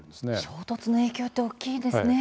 衝突の影響って大きいですね。